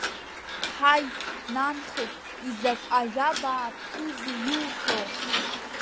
Ҳаи, нанхеит, изакә ажәа бааԥсузеи иуҳәо!